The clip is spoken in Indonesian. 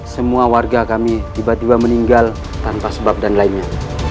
semua warga kami tiba tiba meninggal tanpa sebab dan lainnya